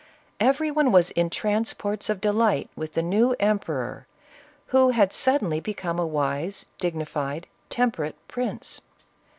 Everyone was in transports of delight with the new emperor, who had suddenly become a wise, dignified, temperate prince.